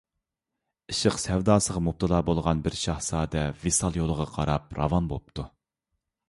ئىشق سەۋداسىغا مۇپتىلا بولغان بىر شاھزادە ۋىسال يولىغا قاراپ راۋان بوپتۇ.